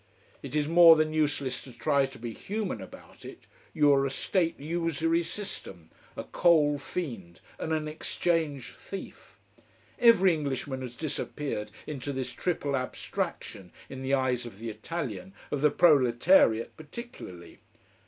It is more than useless to try to be human about it. You are a State usury system, a coal fiend and an exchange thief. Every Englishman has disappeared into this triple abstraction, in the eyes of the Italian, of the proletariat particularly.